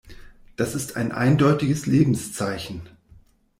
Das ist ein eindeutiges Lebenszeichen.